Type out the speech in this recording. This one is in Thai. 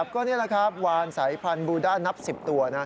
ก็นี่แหละครับวานสายพันธบูด้านับ๑๐ตัว